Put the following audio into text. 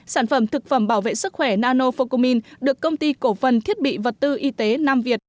sản phẩm thực phẩm bảo vệ sức khỏe nano phocomin được công ty cổ vân thiết bị vật tư y tế nam việt